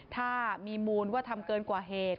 ถ้ามีมูลว่าทำเกินกว่าเหตุ